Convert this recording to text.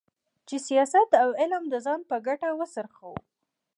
چې سیاست او علم د ځان په ګټه وڅرخوو.